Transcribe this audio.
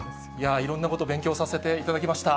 いろんなこと勉強させていただきました。